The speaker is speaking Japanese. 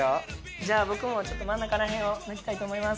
じゃ僕もちょっと真ん中らへんを抜きたいと思います。